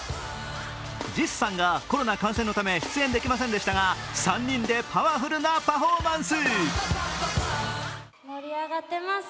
ジスさんがコロナのため出演できませんでしたが３人でパワフルなパフォーマンス。